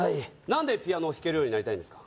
んでピアノを弾けるようになりたいんですか？